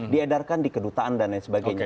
diedarkan di kedutaan dan lain sebagainya